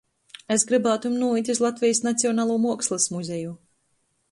Es grybātum nūīt iz Latvejis Nacionalū muokslys muzeju.